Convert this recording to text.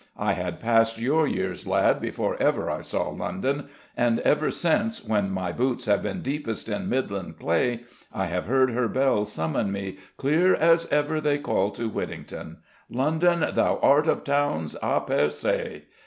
I had passed your years, lad, before ever I saw London; and ever since, when my boots have been deepest in Midland clay, I have heard her bells summon me, clear as ever they called to Whittington, 'London, thou art of townes a per se.'